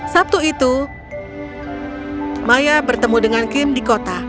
sabtu itu maya bertemu dengan kim di kota